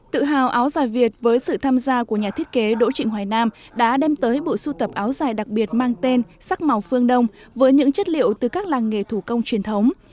tự hào áo dài việt với sự tham gia của nhà thiết kế đỗ trịnh hoài nam đã đem tới bộ sưu tập áo dài đặc biệt mang tên sắc màu phương đông với những chất liệu từ các làng nghề thủ công truyền thống